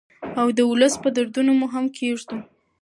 او د ولس په دردونو مرهم کېږدو.